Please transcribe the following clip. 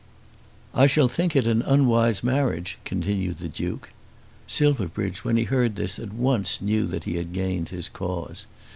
"I shall think it an unwise marriage," continued the Duke. Silverbridge when he heard this at once knew that he had gained his cause.